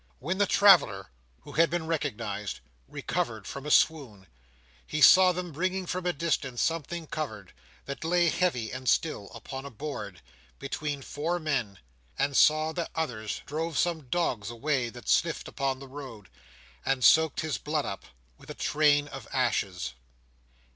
When the traveller, who had been recognised, recovered from a swoon, he saw them bringing from a distance something covered, that lay heavy and still, upon a board, between four men, and saw that others drove some dogs away that sniffed upon the road, and soaked his blood up, with a train of ashes.